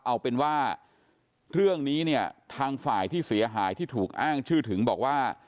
เอาเป็นว่าเรื่องนี้เนี่ยทางฝ่ายที่เสียหายที่ถูกอ้างชื่อถึงบอกว่า